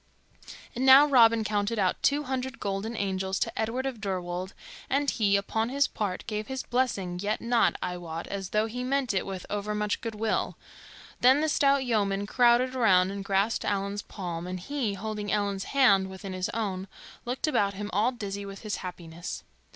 And now Robin counted out two hundred golden angels to Edward of Deirwold, and he, upon his part, gave his blessing, yet not, I wot, as though he meant it with overmuch good will. Then the stout yeomen crowded around and grasped Allan's palm, and he, holding Ellen's hand within his own, looked about him all dizzy with his happiness.